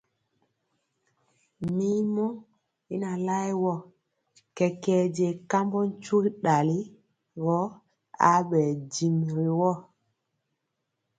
Mirmɔ y na laɛ wɔ, kɛkɛɛ je kambɔ tyugi dali gɔ abɛɛ dimi ri woo.